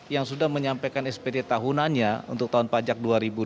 yang sudah menyampaikan spt tahunannya untuk tahun pajak dua ribu dua puluh